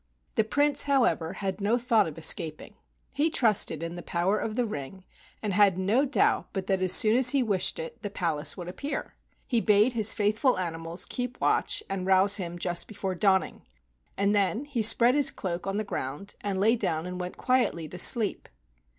The Prince, however, had no thought of escaping. He trusted in the power of the ring and had no doubt but that as soon as he wished it, the palace would appear. He bade his faith¬ ful animals keep watch and rouse him just before dawning, and then he spread his cloak on the ground and lay down and went quietly to sleep.